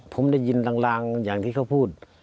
ผมได้ยินลางอย่างที่เขาพูด